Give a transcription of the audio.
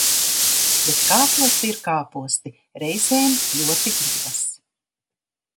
Bet kāposti ir kāposti, reizēm ļoti gribas.